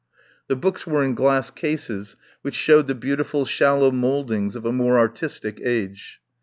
The books were in glass cases, which showed the beautiful shallow mouldings of a more ar tistic age.